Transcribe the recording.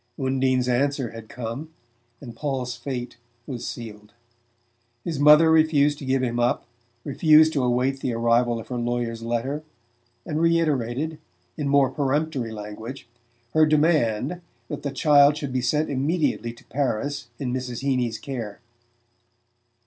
Undine's answer had come and Paul's fate was sealed. His mother refused to give him up, refused to await the arrival of her lawyer's letter, and reiterated, in more peremptory language, her demand that the child should be sent immediately to Paris in Mrs. Heeny's care.